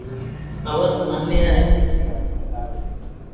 அவர் அன்னையாருக்குத் தெரிவித்தனர்.